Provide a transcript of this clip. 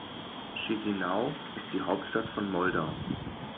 Chișinău ist die Hauptstadt von Moldau.